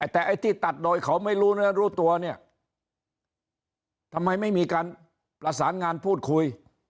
แต่ไอ้ที่ตัดโดยเขาไม่รู้เนื้อรู้ตัวเนี่ยทำไมไม่มีการประสานงานพูดคุย